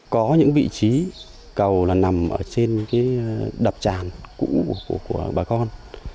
có những vị trí cầu là nằm trên đập tràn cũ của bà con